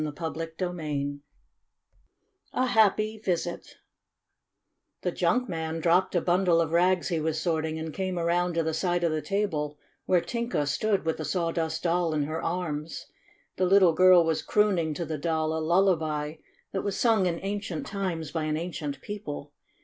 CHAPTER IX A HAPPY VISIT The junk man dropped a bundle of rags be was sorting and came around to the side of the table where Tinka stood with the Sawdust Doll in her arms. The little girl was crooning to the Doll a lullaby that was sung in ancient times by an ancient people.